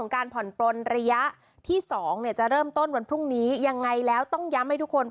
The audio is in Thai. การผ่อนปลนระยะที่๒จะเริ่มต้นวันพรุ่งนี้ยังไงแล้วต้องย้ำให้ทุกคน